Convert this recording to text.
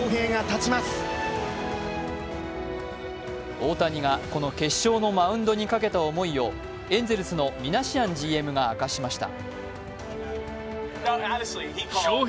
大谷がこの決勝のマウンドにかけた思いをエンゼルスのミナシアンＧＭが明かしました。